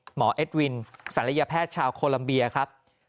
หมอเอ็ดวินสรรพยาแพทย์ชาวโคลัมเบียครับ